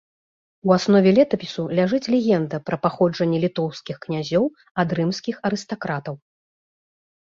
У аснове летапісу ляжыць легенда пра паходжанне літоўскіх князёў ад рымскіх арыстакратаў.